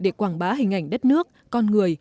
để quảng bá hình ảnh đất nước con người